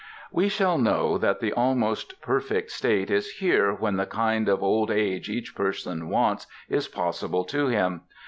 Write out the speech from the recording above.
We shall know that the Almost Perfect State is here when the kind of old age each person wants is possible to him.